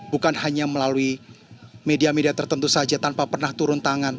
bukan hanya melalui media media tertentu saja tanpa pernah turun tangan